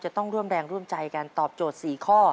ต้องร่วมแรงร่วมใจกันตอบโจทย์๔ข้อ